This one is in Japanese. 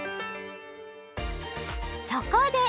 そこで！